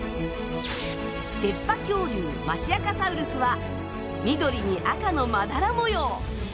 出っ歯恐竜マシアカサウルスは緑に赤のまだら模様。